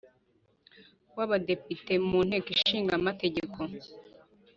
w Abadepite mu Nteko Ishinga Amategeko.